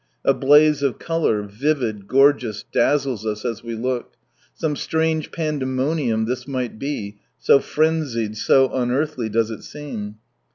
A blaze of colour, vivid, gorgeous, dazzles us as we look. Some strange pandemonium this might be, so frenzied, so unearthly does it seem.